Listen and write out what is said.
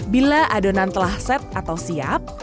bila adonan telah set atau siap